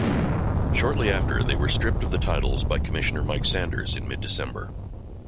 Shortly after, they were stripped of the titles by Commissioner Mike Sanders in mid-December.